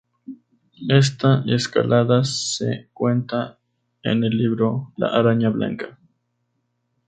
Esta escalada se cuenta en el libro La Araña Blanca.